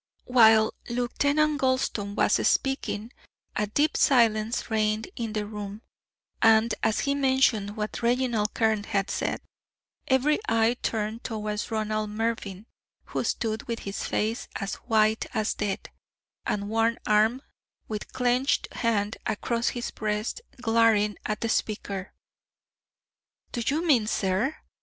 While Lieutenant Gulston was speaking a deep silence reigned in the room, and as he mentioned what Reginald Carne had said, every eye turned towards Ronald Mervyn, who stood with face as white as death, and one arm with clenched hand across his breast, glaring at the speaker. "Do you mean, sir